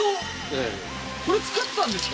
これ作ったんですか？